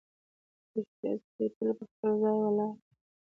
• د شپې ستوري تل په خپل ځای ولاړ وي.